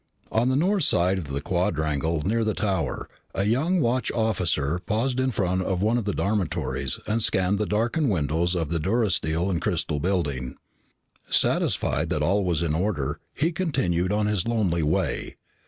On the north side of the quadrangle near the Tower, a young watch officer paused in front of one of the dormitories and scanned the darkened windows of the durasteel and crystal building. Satisfied that all was in order, he continued on his lonely way.